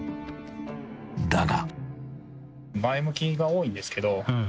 ［だが］